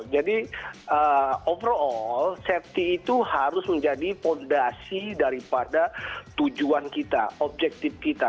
jadi overall safety itu harus menjadi fondasi daripada tujuan kita objektif kita